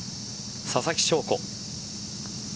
ささきしょうこ。